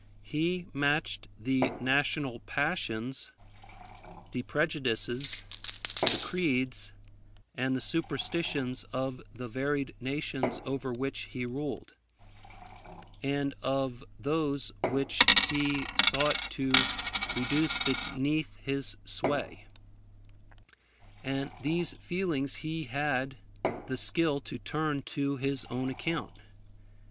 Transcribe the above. He matched the national passions, the prejudices, the creeds, and the superstitions of the varied nations over which he ruled, and of those which he sought to reduce beneath his sway: and these feelings he had the skill to turn to his own account.